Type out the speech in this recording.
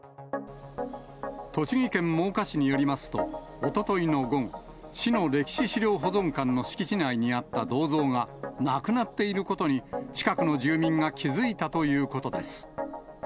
栃木県真岡市によりますと、おとといの午後、市の歴史資料保存館の敷地内にあった銅像がなくなっていることに、近くの住民が気付いたということです。